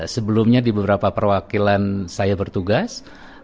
sebelumnya di beberapa perwakilan saya bertugas